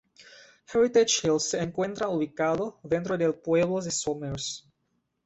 Heritage Hills se encuentra ubicado dentro del pueblo de Somers.